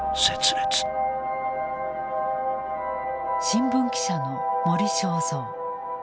新聞記者の森正蔵。